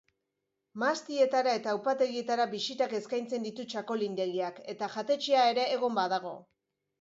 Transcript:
Mahastietara eta upategietara bisitak eskaintzen ditu txakolindegiak eta jatetxea ere egon badago.